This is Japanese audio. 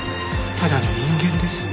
ただの人間です。